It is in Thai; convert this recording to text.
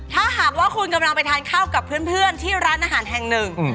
ถ้าหากว่าคุณกำลังไปทานข้าวกับเพื่อนที่ร้านอาหารแห่งหนึ่ง